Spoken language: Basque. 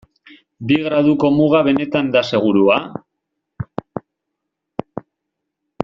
Bi graduko muga benetan da segurua?